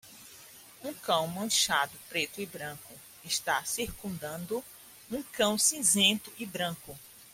Um cão manchado preto e branco está circundando um cão cinzento e branco.